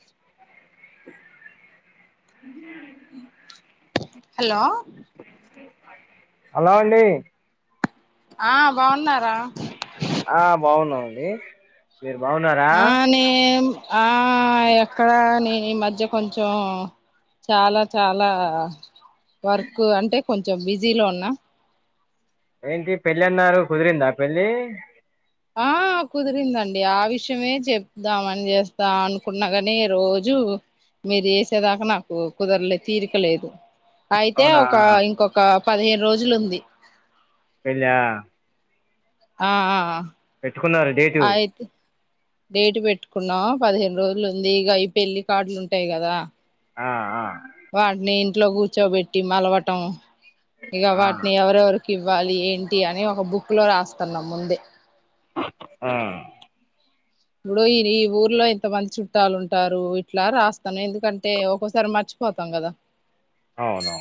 [inaudible] Hello hello అండి ఆ బావూన్నారా ఆ బావున్నామండి ఆ నే ఆ ఎక్కడ నే ఈ మధ్య కొంచం చాలా చాలా వర్క్ అంటే కొంచెం బిజీలో ఉన్నా ఏంటి పెళ్ళి అన్నారు కుదిరిందా పెళ్ళి ఆ కుదిరిందండి ఆ విషయమే చెప్దామని చేస్తా అనుకున్నా కాని రో జు మీరు చేసేదాకా నాకు కుదరలే తీరికలేదు. అయితే అవునా ఒక ఇంకొక పదిహేను రోజులుంది. పెళ్ళా ఆ ఆ పెట్టుకున్నారా డేటు. డేట్ పెట్టుకున్నాం పదిహేను రోజులు ఉంది ఇగా ఈ పెళ్లి కార్డులు ఉంటాయి కదా ఆ ఆ వాటిని ఇంట్లో కూర్చోబెట్టి మలవటం ఇగ ఆ వాటిని ఎవరెవరి కివ్వాలి ఏంటి అని ఒక బుక్ లో రాస్తున్నాం ముందే ఆ ఇప్పుడు ఈ ఈ ఊర్లో ఇంతమంది చుట్టాలు ఉంటారు. ఇట్లా రాస్తాను ఎందుకంటే ఒక్కోసారి మర్చి పోతాం కదా అవును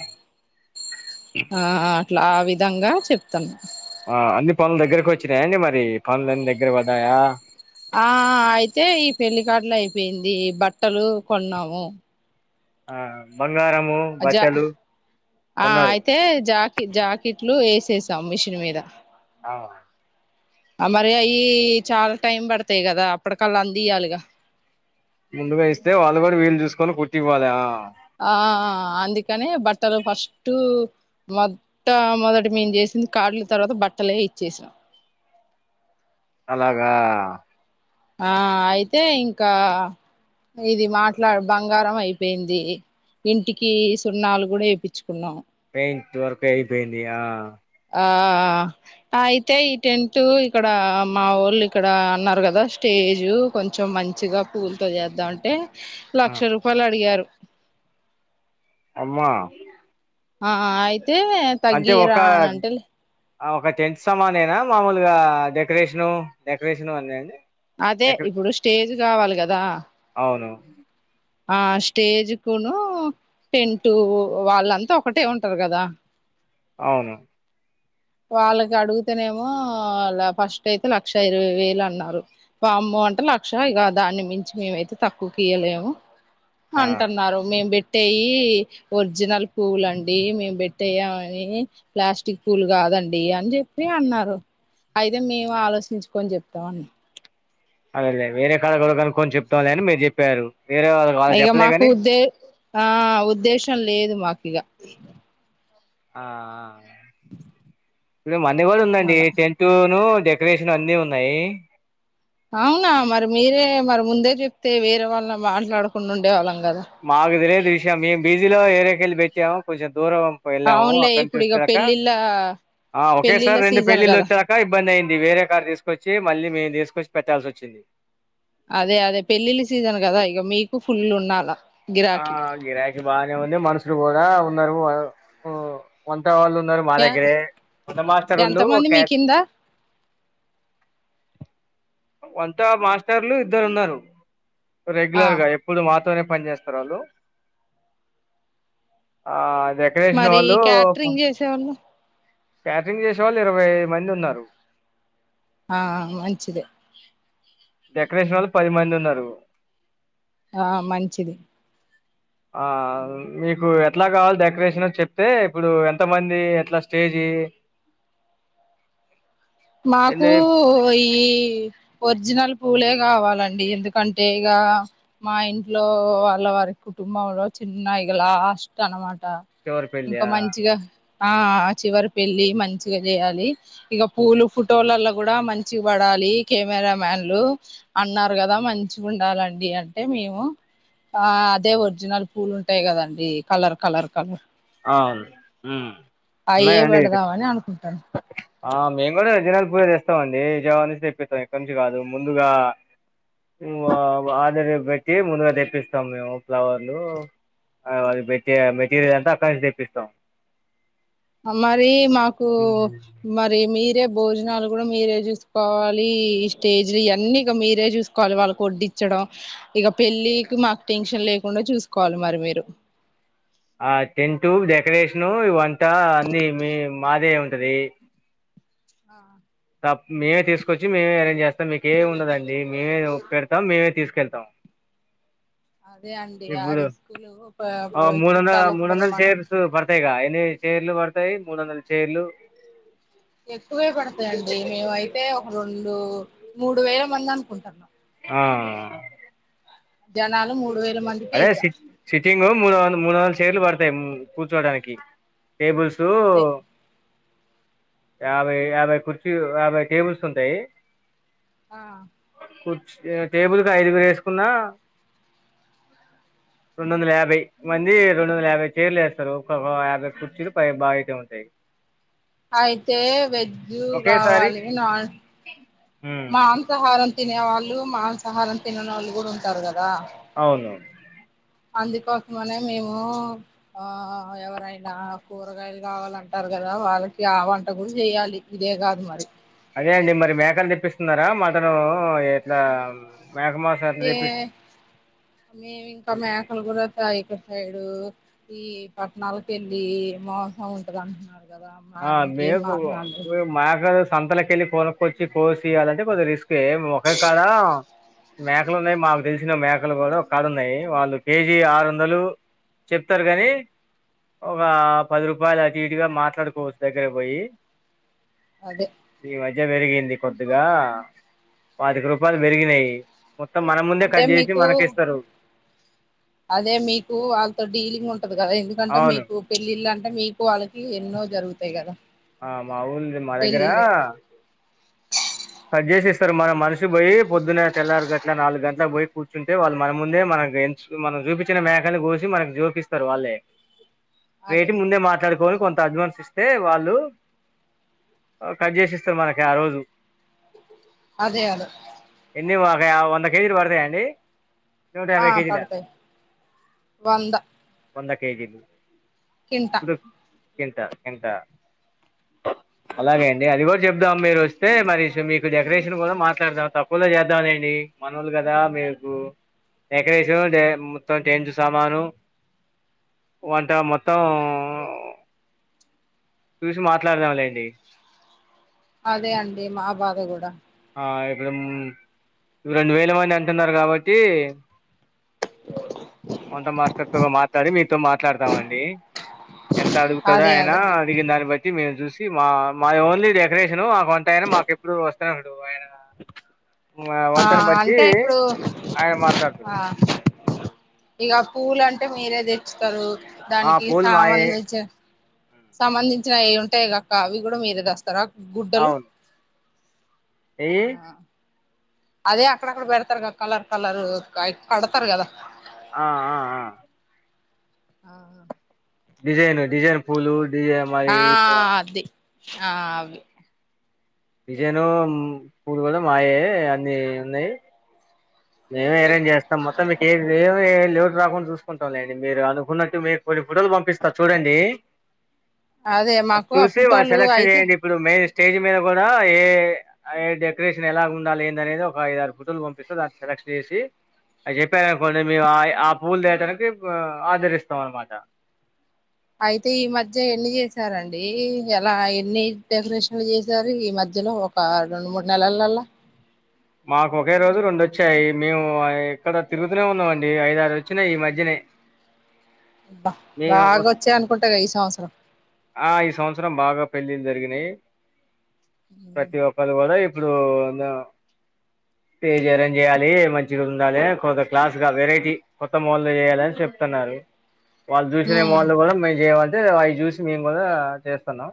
ఆ అట్లా ఆ విధంగా చెప్తున్నా ఆ అన్ని పనులు దగ్గరకి వచ్చినాయాండి మరి పనులు అన్ని దగ్గర పడ్డాయా. ఆ ఆ అయితే ఈ పెళ్లికార్డులు అయిపోయింది బట్టలు కొన్నాము. ఆ ప అజా ఆ కొన్నారు అయితే జాకీ జాకెట్లు ఏస్ చేసాం మిషన్ మీద అవున ఆ మరి అయి చాలా టైం పడతాయి కదా అప్పటికల్లా అందియాలిగా ముందుగా ఇస్తే వాళ్ళు కూడా వీళ్ళు చూసుకొని కుట్టివ్వాలే ఆ ఆఆఆ అందుకనే బట్టలు ఫస్టు మొట్ట మొదటి మేము చేసింది కార్డ్లు తర్వాత బట్టలే ఇచ్చేసినాం. అలాగా ఆ అయితే ఇంకా ఇది మాట్లా బంగారం అయిపోయింది. ఇంటికి సున్నాలు కూడా ఏప్పిచ్చుకున్నాం. పెయింట్ వర్క్ అయిపోయింది ఇగా ఆఆఆ అయితే ఈ టెంటు ఇక్కడ మా వోళ్ళు ఇక్కడ అన్నారు కదా స్టేజు కొంచెం మంచిగా పూలతో చేద్దామంటే ఆ లక్ష రూపాయలు అడిగారు. అమ్మా ఆఆ అయితే అంటే తగ్గియరా ఒక అని అంటే లే ఆ ఒక టెంట్ సామానేనా మామూలుగా డెకరేషను డెకరేషన్ అన్ని ఆ అండి. అదే ఇప్పుడు స్టేజ్ కావాలి కదా. అవును ఆ స్టేజ్‌కును టెంటు వాళ్ళంతా ఒకటే ఉంటారు కదా. అవును వాళ్ళకి అడుగుతేనేమో ఫస్ట్ అయితే లక్ష ఇరవై వేలు అన్నారు వామ్మో అంటే లక్ష ఇక దాన్ని మించి మేమైతే తక్కువకియలేము ఆ అంటన్నారు మేం పెట్టేయి ఒరిజినల్ పూలు అండి. మేము పెట్టేయి అని ప్లాస్టిక్ పూల్ గాదండి అని చెప్పి అన్నారు అయితే మేము ఆలోచించుకొని జెప్తాం అన్న అదేలే వేరేకాడ కూడా కనుకొని చెప్తాంలే అని మీరు చెప్పారు వేరే వాళ్ళకి వాళ్ళు ఇక చెప్పలే మాకు గాని. ఉద్దే ఆ ఉద్దేశం లేదు మాకిగా. ఆఆ ఇప్పుడు మన్ని కూడా ఉందండి అలా టెంటట్ను డెకరేషన్ అన్ని ఉన్నాయి. అవునా మరి మీరే మరి ముందే చెప్తే వేరే వాళ్ళ మాట్లాడకుండా ఉండేవాళ్ళం కదా మాకు తెలిదు విషయం మేము బీజీలో ఏరేక వెళ్ళి పెట్టాము కొంచెం దూరం ఓప్ ఏళ్ళాము అవునులే అక్కడ నుంచి ఇప్పుడు ఇక వచ్చినకా పెళ్ళిళ్ళ ఆ పెళ్ళిళ్ళ ఒకేసారి రెండు సీజన్ పెళ్ళిళ్ళ కదా వచ్చాక ఇబ్బంది అయింది వేరే కారు తీసుకొచ్చి మళ్ళీ మేము తీసుకొచ్చి పెట్టాల్సి వచ్చింది అదే అదే పెళ్ళిళ్ళ సీజన్ కదా ఇగా మీకు ఫుల్ ఉన్నాలా ఆ గిరాకి బానే ఉంది మనసుర్ పోదా ఉన్నర్ ఉ తో వాళ్ళు ఉన్నారు మా దగ్గరే ఉన్న మాస్టర్ ఎంత ఉండు మంది మీ క్యాష్ కిందా అంతా మాస్టర్లు ఇద్దరు ఉన్నారు ఆ రెగ్యులర్గా ఎప్పుడు మాత్రం పని చేస్తరు వాళ్ళు ఆ డెకరేషన్ మరి వాళ్ళు క్యాటరింగ్ చేసేవాళ్ళు క్యాటరింగ్ జేసే వాళ్ళు ఇరవై ఐ మంది ఉన్నారు ఆ మంచిదే డెక్రేషన్ ఒళ్ళు పది మంది ఉన్నారు ఆ మంచిది ఆ మీకూ ఎట్లా కావాలి డెక్రేషను చెప్తే ఇప్పుడు ఎంత మంది ఎట్లా స్టేజీ మాకు ఎన్ని ఈ ఒరిజినల్ పూలే కావాలి అండి ఎందుకంటే ఇగ మా ఇంట్లో వాళ్ళ వారి కుటుంబంలో చిన్న ఇలా ఆస్ట్ అనమాట చివరి పెళ్ళి ఇంకా మంచిగా ఆ చివరి ఆ చివరి పెళ్లి మంచిగా చేయాలి ఇగా పూలు ఫోటోలలో గూడా మంచిగ్ వడాలి కెమెరా మ్యాన్లు అన్నారు కదా మంచి ఉండాలండి అంటే మేము ఆ అదే ఒరిజినల్ పూలు ఉంటాయి కదండి కలర్ కలర్ కలర్ ఆన్ ఉమ్ అయే ఉన్నాయండి పెడదామని అనుకుంటాను ఆ మేము కూడా జనాల పూజ చేస్తాంమండి విజయవాడ నుంచి తెప్పిస్తాం ఎక్కడి నుంచి కాదు ముందుగా మ్ ఆడర్ పెట్టి ముందుగా తెప్పిస్తాం మేము ఫ్లవర్లు అది మె మెటీరియల్ అంతా అక్కడి నుంచి దేప్పిస్తాం. మరి మాకు మరి మీరే భోజనాలు కూడా మీరే చూసుకోవాలి ఈ స్టేజ్ ఇవన్నీ ఇక మీరే చూసుకోవాలి వాళ్ళకి ఒడ్డించడం ఇగ పెళ్ళికి మాకు టెన్షన్ లేకుండా చూసుకోవాలి మరి మీరు ఆ టెంటు డెకరేషను వంట అన్ని మీ మాదే ఉంటది ఆ తప్ మేమే తీసుకొచ్చి మే అరేంజ్ చేస్తాం మీకేముండదండి మేమే పెడతాం మే తీసుకు చేద్దాం అదే అండి ఆరి స్కూలు ఆ మూడు వందల చుట్టాలు వస్తారు మనం చేరులు పడతాయి మూడు వందల చేర్లు ఎక్కువే కొడతాయండి. మేము అయితే ఒక రెండు మూడు వేల మంది అనుకుంటున్నాం. ఆఆ జనాలు మూడు వే అదే సిట్, సిట్టింగు మూడు వంద మూడు వందల చేర్లు పడతాయ్ ఉమ్ కూర్చోడానికి టేబుల్ సో అంతే యాభై యాభై కుర్చీల్, యాభై టేబుల్స్ ఉంటాయ్. ఆ క్చే టేబుల్కి ఐదుగురు ఏసుకున్నా రెండు వందల యాభై మంది, రెండు వందల యాభై చైర్లు ఏస్తారు. ఒకొక్క యాభై కుర్చీలు పై బాగైతే ఉంటాయ్. అ అయితే వేజు ఒకేసారి గావాలే నాన్ ఉమ్, మాంసాహారం తినే వాళ్ళు మాంసాహారం తిన్నానోళ్లు గూడా ఉంటారు గదా. అవును అందుకోసమనే మేము ఆ ఎవరైనా కూరగాయలు గవాలంటారు గాద్. రా వాళ్ళకి ఆ వంట కూడా జేయాలి ఇదే గాదు మరి అదే అండి. మరి మేకన్ తెప్పిస్తున్నారా మటన్ ఉహ్ ఉహ్ ఏట్లా ఏ మేవింకా మేకలు గూడా తైపే హైడు ఈ పట్టణాల కేళ్ళి మోసం ఉంటది అంటున్నారు. కదా ఆ మేము ఇంకేం మీకు మాట్లాడలేదు కూ మాక్ అదే సంతలకెళ్ళి కొనుకొచ్చి కోసి ఇయాలంటే కొద్ది రిస్ ఫేమ్ ఒకే కాడా మేకలున్నాయ్. మాకు తెలచ్చిన మేకలు గూడా ఒక్ కాడ ఉన్నాయ్ వాళ్ళు కేజీ ఆరోందాలు. చెప్తారు గాని ఒక పది రూపాయలు అటిటుగా మాట్లాడుక్ కోచ్ దగ్గరగ్ బోయి అదే ఇగా వేరిగింది కొద్దుగా, పాతిక రూపాలు వేరిగినయ్. మొత్తం మన ముందే అంటే కడ్ జేచి మీకు మనకేస్తారు. అదే మీకు వాళ్ళతో డీలింగ్ ఉంటది గదా, ఎందుకంటే అవును మీకు పెళ్ళిల్ అన్ అంటే మీకు వాళ్ళకి ఎన్నో జరుగుతాయ్ గదా. ఆ మా ఊల్ మా దగ్గరా కాడ్ జేస్ ఏస్తరు. మన మనిషి బోయ్, పొద్దున్న తెల్లరు గట్లా, నాలుగు గంట్లా బోయి కూర్చుంటే వాళ్ళు మన ముందే మన తన్ రేంజ్షుకు మనం జూపించిన మేకలు గోసి మనకి జోకిస్తారు వాళ్ళే. అదే రేటి ముందే మాట్లాడుకొన్ కొన్ తడ్వాన్స్ ఇస్తే వాళ్ళు ఆ కాడ్ జేసిస్తారు మనకి ఆ రోజు అదే అదో రేయా వంద కేజీలు వడతాయండి. నూట ఆ యాభై కేజీలా. పడతాయి వంద కింటా అలాగే అండి అది గూడ్ జేబద్ధం మీరు వస్తే స్మరిషు మీకు డెకరేషన్ గూడ మాట్లాడదాం తక్కువలో చేద్దాంలెండి. మనోళ్లు గదా మీకు ఎక్కరేషు జే మొత్తం టెంటు సామాను. వంట మొత్తం ఊహో చూసి మాట్లాడదాంలేండి. అదే అండి మా బాధ గూడా ఆ ఇప్పుడూమ్ రెండు వేల మంది అంటున్నారు గావట్టి వంట మాస్టర్థో మాట్లాడి మీతో మాట్లాడుతావండి. ఎంత అడుగుతాడో అదే ఆయన అదే అడిగిన దాన్ని బట్టి మీరు జూస్ మా, మాది ఓన్లీ డెకరేషను మాకు వంటయన మాకేప్పుడు వస్తనే ఉంటాడు. ఆయన ఇంగ ఆ వంటని బట్టి అంటే ఇప్పుడు ఆయన మాట్లాడ్తాడు. ఇగ పూలు అంటే మీరే తెచ్చుతారు. ఆ దానికి పూలు మాయే సంబంధిచిన సంబంధించిన ఏ. ఉంటాయి గాక్క అవి కూడా మీరే దెస్తారా గుడ్డలు. అవును ఏయి ఆ అదే అక్కడక్కడ పెడతార్గా కలర్ కలర్ ఆయి కడతారు కదా. ఆ ఆ ఆ ఆ ఆ డిజైన్, డిజైన్ పూలు డిజై మరి ఆ అది ఆ అవి. డిజైను, పూలు కూడా మాయే అన్ని ఉన్నాయి. మేమే అరేంజ్ చేస్తాం మొత్తం మీకు ఏ ఏ [unintelligible] లే రాకుండా చూసుకుంటాంలేండి. మీరు అనుకున్నట్టు మీకు కొన్ని ఫుటోలు పంపిస్తా చూడండి. అదే అది మాకు ఆ చూసి మా ఫోటోలు సెలక్ష అయితే చేయండి ఇప్పుడు మెయిన్. స్టేజ్ మీద కూడా ఏ, ఏ డెకరేషన్ ఎలాగుండాలి ఏందనేది ఒక ఐదు, ఆరు ఫోటోలు పంపిస్తా దాని. సెలెక్ట్ చేసి అది చెప్పార అనుకోండి. మేము ఆయ ఆ పూలు తేటానికి ఆడరిస్తాం అనమాట. అయితే ఈ మధ్య ఎన్ని చేసారండి? ఎలా, ఎన్ని డెకరేషన్లు చేసారు ఈ మధ్. ధ్యలో ఒక రెండు, మూడు నెలలల్లా. అ మాకు ఒకే రోజు రెండు వచ్చాయి. మేము ఇక్కడ తిరుగుతూనే ఉన్నామండి ఐద, ఆరు వచ్చినాయి ఈ మధ్యనే. బా మేం బాగా వస్ వచ్చాయి అనుకుంటా ఈ సంవత్సరం ఆ ఈ సంవత్సరం బాగా. పెళ్లిళ్లు జరిగినాయి, ప్రతి ఒక్కరు కూడా ఇప్పుడు. [unintelligible] స్టేజి అరేంజ్ చేయాలి, మంచిగా ఉండాలే కొందరు క్లాస్ గా వెరైటీ కొత్త మాలు చేయాలని చెప్తున్నారు. వాళ్ళు చూసిన ఉమ్ మాళ్ళు కూడా మేం చేయమంటే, అవి చూసి మేము కూడా చేస్తన్నాం.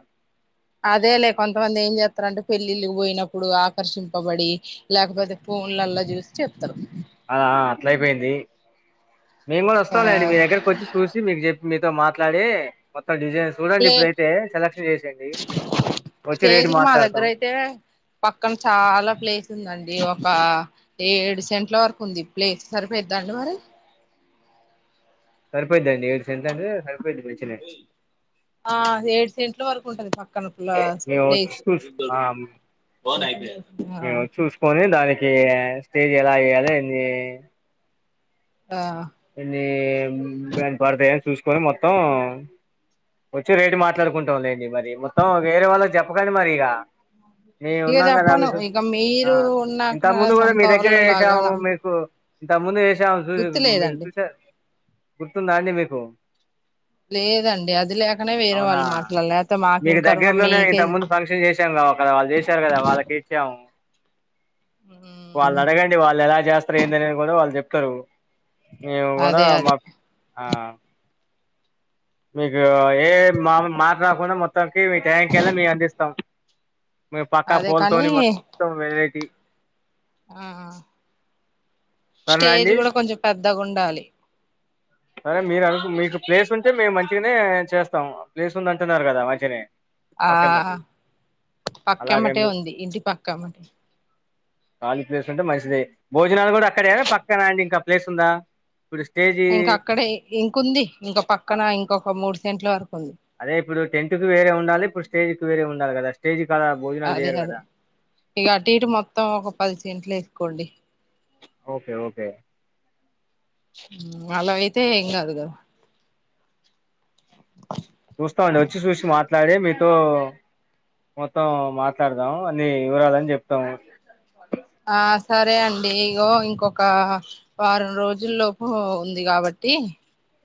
అదేలే కొంతమంది ఏం చేస్తారంటే పెళ్ళిళ్ళకి, పోయినప్పుడు ఆకర్షింపబడి లేకపోతే, పో ఫోన్లల్లా జూసి చెప్తారు. మేం కూడా ఆ వస్తాంలేండి, మీ దగ్గరకోచ్చి చూసి మీకు చెప్పి మీతో మాట్లాడి. కొ త్త డిజైస్ చూడండి ప్లే ఇప్పుడైతే సెలెక్స్ చేసేయండి. వచ్చి స్టేజ్ రేటు కు మా దగ్గర మాట్లాడతాం అయితే, పక్కన చాలా ప్లేస్ ఉందండి. ఒ క్క ఏడు సెంట్ల వరకు ఉంది. ప్లేస్ సరిపోద్దా అండి మరి. సర్పోద్దాండి ఏడు సెంట్ల అంటే సరి. ఆ ఏడు సెంట్ల వరకు ఉంటది ప. కన్పుల మేము వచ్చి ప్లేస్ చూస్ ఆ ఆ. స్టే స్టేజ్ ఎలా వేయాలా ఏంది? ఆ ఎన్ని బ [unintelligible] పడతాయని చూసుకొని మొత్తం. వచ్చి రేటు మాట్లాడుకుంటాంలేండి, మరి మొత్తం వేరే వాళ్లకి చెప్పకండి మరి ఇగ. మేం ఇక ఉన్నాం కదా చెప్పను మీకు, ఇక ఆ మీరు ఇంతకు ఉన్నాక ముందు కూడా సొంత మీ దగ్గర వాళ్ళు లాగా వేసాము నమ్ మీకు. ఇంత ముందు వేసాము చూస్ [unintelligible] మీరు. గుర్తులేదండి చూసా గుర్తుందా అండి మీకు. లేదండి అది లేకనే వేరే, అవునా వాళ్ళు మాట్లాల్యా లతే మాకేం కర్మ మీకే. అక్కడ వాళ్ళు చేశారు కదా వాళ్ళకి ఇచ్చాము వాళ్ళు మ్మ్ అడగండి వాళ్ళు ఎలా చేస్తారు ఏందని కూడా వాళ్ళు చెప్తారు నేము కూడా అదే అదే మక్ ఆ మీకు ఏ మా మాట్ రాకుండా మొత్తాంనికి మీ ట్యాంక్ళ మము అందిస్తాం మీ పక్కా అదే పూలతో కానీ మొత్తం వెరైటీ ఆ సరేనా స్టేజ్ అండి కూడా కొంచెం పెద్దగా ఉండాలి సరే మీరు అను మీకు ప్లేస్ ఉంటే మేము మంచిగానే చేస్తాం ప్లేస్ ఉంది అంటున్నారు కదా మంచిగానే ఆ పక్కన పెట్టి అలాగే మీ పక్కమ్మటే ఉంది ఇంటి పక్క అమ్మటి ఖాళీ ప్లేస్లు అంటే మంచిదే భోజనాలు కూడా అక్కడ కదా పక్కన అండి ఇంకా ప్లేస్ ఉందా ఇప్పుడు స్టేజీ అక్కడ ఇంకంది ఇంకా ఆ, పక్కన ఇంకొక మూడు సెంట్ల వరకు ఉంది అదే ఇప్పుడు టెంట్ కు వేరేండాలి ఇప్పుడు స్టేజ కు వేరే ఉండి కదా స్టేజి అదే అదే ఇగ అటు ఇటు మొత్తం ఒక పది సెంట్లు వేసుకోండి ఓకే ఓకే అలా అయితే ఏం కాదు కదా చూస్తామండి వచ్చి చూసి మాట్లాడే మీతో మొత్తం మాట్లాడదాం అన్ని వివరాలని చెప్తాము ఆ స సరే అండి ఇగో ఇంకొక వారం రోజుల లోపు ఉంది కాబట్టి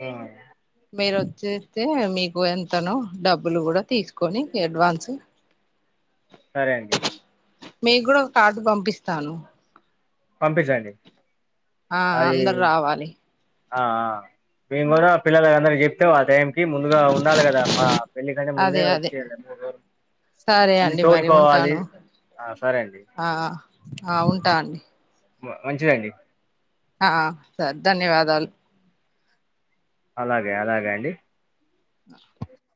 ఆ మీరు వచ్చేస్తే మీకు ఎంతనో డబ్బులు కూడా తీసుకొని అడ్వాన్స్ సరే అండి మీ కూడా ఒక కార్డు పంపిస్తాను పంపించండి ఆ అది అందరు రావాలి ఆ ఆ మేము కూడా పిల్లల అందరికి చెప్తే వా టైం కి ముందుగా ఉండాలి కదా ప పెళ్లి కంటే అదే ముందే అదే వచ్చి మూడు రోజులు సరే అన్ని అండి మరి తోలుకోవాలి ఉంటాను ఆ, సరే అండి ఆ ఆ ఉంటా అండి మా మంచిదండి ఆ సర్ ధన్యవాదాలు అలాగే అలాగే అండి నా